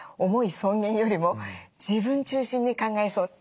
尊厳よりも自分中心に考えそう。